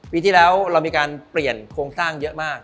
ปีที่แล้วเรามีการเปลี่ยนโครงสร้างเยอะมาก